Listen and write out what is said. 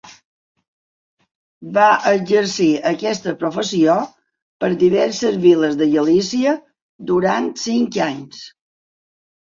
Va exercir aquesta professió per diverses viles de Galícia durant cinc anys.